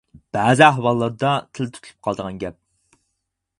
بەزى ئەھۋاللاردا تىل تۇتۇلۇپ قالىدىغان گەپ.